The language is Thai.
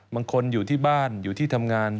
บางคนอยู่ที่บ้านอยู่ที่ทำงาน